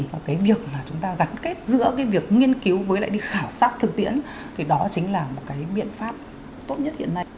và cái việc mà chúng ta gắn kết giữa cái việc nghiên cứu với lại đi khảo sát thực tiễn thì đó chính là một cái biện pháp tốt nhất hiện nay